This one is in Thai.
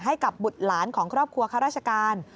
ให้กับบุตรหลานของครอบครัวข้าราชการ